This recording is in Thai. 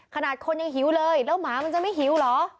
ขนาดคนยังหิวเลยแล้วหมามันจะไม่หิวเหรอ